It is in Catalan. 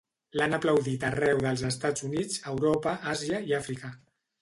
L'han aplaudit arreu dels Estats Units, Europa, Àsia i Àfrica.